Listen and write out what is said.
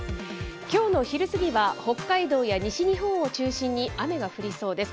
きょうの昼過ぎは北海道や西日本を中心に雨が降りそうです。